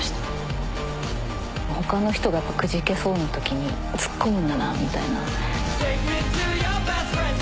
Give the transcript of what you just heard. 他の人がやっぱくじけそうなときに突っ込むんだなみたいな。